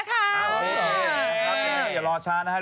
เอาอย่ารอช้านะครับ